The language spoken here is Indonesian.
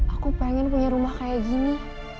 aku pengen punya rumah kayak gini